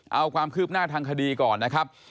เอาความคืบหน้าทางคดีก่อนนะครับ